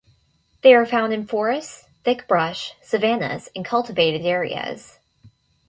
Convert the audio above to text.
They are found in forests, thick brush, savannas and cultivated areas.